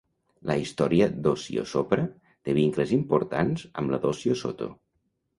La història d'Osio Sopra té vincles importants amb la d'Osio Sotto.